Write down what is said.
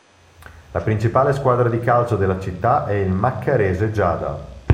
La principale squadra di calcio della città è il Maccarese Giada.